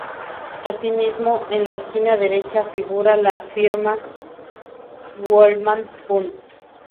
Asimismo, en la esquina derecha, figura la firma W. Holman Hunt.